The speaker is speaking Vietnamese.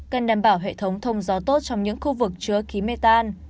cần đảm bảo hệ thống thông gió tốt trong những khu vực chứa khí mê tan